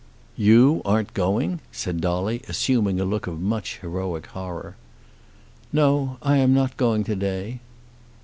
"You aren't going!" said Dolly, assuming a look of much heroic horror. "No; I am not going to day."